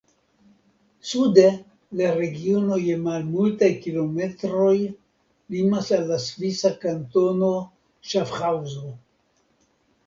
Sude la regiono je malmultaj kilometroj limas al la svisa kantono Ŝafhaŭzo.